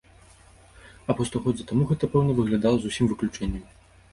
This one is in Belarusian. А паўстагоддзя таму гэта, пэўна, выглядала зусім выключэннем!